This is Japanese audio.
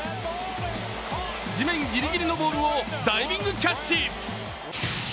地面ギリギリのボールをダイビングキャッチ。